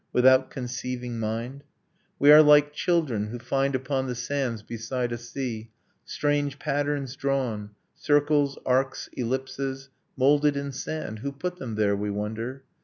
Without conceiving mind? ... We are like children Who find, upon the sands, beside a sea, Strange patterns drawn, circles, arcs, ellipses, Moulded in sand ... Who put them there, we wonder?